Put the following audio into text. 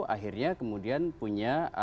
akhirnya kemudian punya